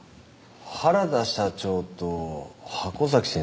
原田社長と箱崎先生